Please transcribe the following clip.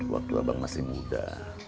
waktu abang masih muda